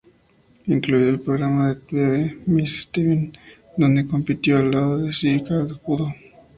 Incluido el programa de tv "Miss Seventeen", donde compitió al lado de Shizuka Kudo.